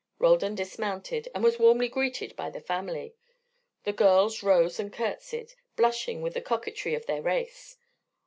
Roldan dismounted, and was warmly greeted by the family. The girls rose and courtesied, blushing with the coquetry of their race.